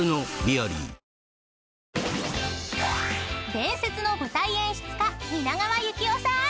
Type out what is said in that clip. ［伝説の舞台演出家蜷川幸雄さん］